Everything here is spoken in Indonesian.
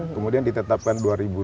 kemudian ditetapkan dua ribu